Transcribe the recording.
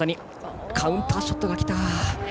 カウンターショットがきた。